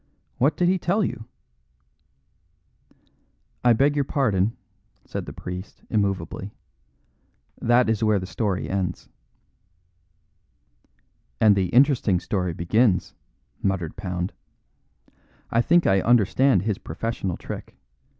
"What did he tell you?" "I beg your pardon," said the priest immovably, "that is where the story ends." "And the interesting story begins," muttered Pound. "I think I understand his professional trick.